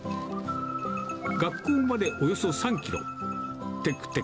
学校までおよそ３キロ。